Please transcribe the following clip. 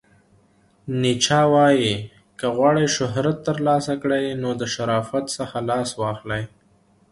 نیچه وایې، که غواړئ شهرت ترلاسه کړئ نو د شرافت څخه لاس واخلئ!